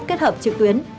kết hợp trực tuyến